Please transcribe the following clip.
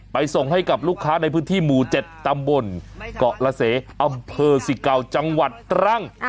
ส่งให้กับลูกค้าในพื้นที่หมู่๗ตำบลเกาะละเสอำเภอสิเก่าจังหวัดตรัง